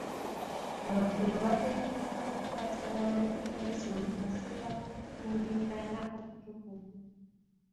Abafumbo bateekeddwa okwatagana n'ekkanisa mu kaseera k'okufumbirigana okutukuvu.